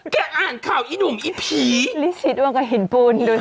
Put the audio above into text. แกอ่านข่าวอีหนุ่มอีผีฤทธิ์สีดวงกับหินปูนดูสิ